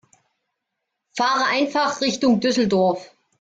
Fahre einfach Richtung Düsseldorf